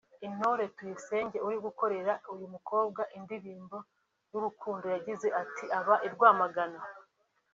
Intore Tuyisenge uri gukorera uyu mukobwa indirimbo y’urukundo yagize ati “Aba i Rwamagana